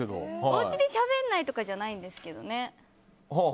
おうちでしゃべらないとかじゃないんですけどね。